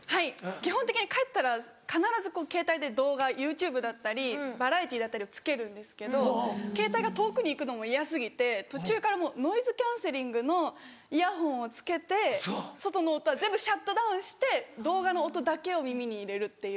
基本的に帰ったら必ずケータイで動画ＹｏｕＴｕｂｅだったりバラエティーだったりをつけるんですけどケータイが遠くに行くのも嫌過ぎて途中からノイズキャンセリングのイヤホンをつけて外の音は全部シャットダウンして動画の音だけを耳に入れるっていう。